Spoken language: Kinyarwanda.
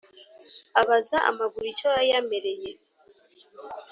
abaza amaguru icyo yayamereye